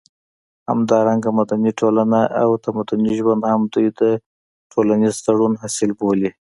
همدارنګه مدني ټولنه او تمدني ژوند هم دوی د ټولنيز تړون حاصل بولي